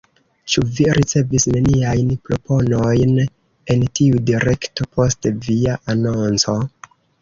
Ĉu vi ricevis neniajn proponojn en tiu direkto post via anonco?